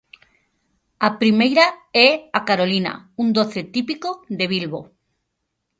A primeira é a Carolina, un doce típico de Bilbo.